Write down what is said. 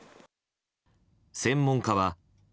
専門家は。